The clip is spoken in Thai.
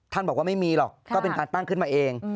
บอกว่าไม่มีหรอกก็เป็นการตั้งขึ้นมาเอง